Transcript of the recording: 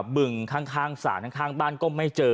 บึงข้างศาลข้างบ้านก็ไม่เจอ